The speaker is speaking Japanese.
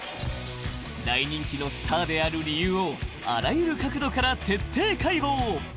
大人気のスターである理由をあらゆる角度から徹底解剖。